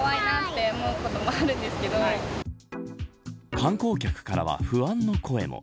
観光客からは不安の声も。